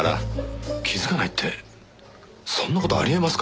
気づかないってそんな事あり得ますか？